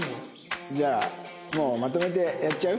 じゃあもうまとめてやっちゃう？